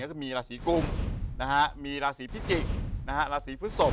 แล้วก็มีราศีกุมมีราศีพิจิกษ์ราศีพฤศพ